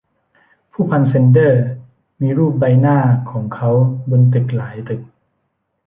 ผู้พันแซนเดอมีรูปใบหน้าของเค้าบนตึกหลายตึก